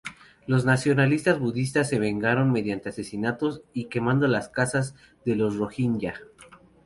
Los nacionalistas budistas se vengaron mediante asesinatos y quemando las casas de los rohinyá.